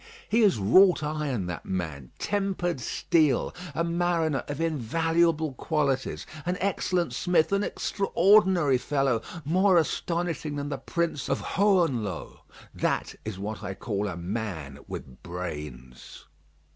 He is wrought iron, that man; tempered steel, a mariner of invaluable qualities, an excellent smith, an extraordinary fellow, more astonishing than the Prince of Hohenlohe. That is what I call a man with brains.